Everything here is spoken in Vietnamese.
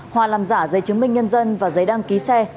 hòa làm giả giấy chứng minh nhân dân và giấy đăng ký xe